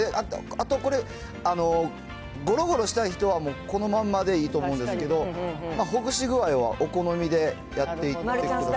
あとこれ、ごろごろしたい人はもうこのまんまでいいと思うんですけど、ほぐし具合はお好みでやっていってください。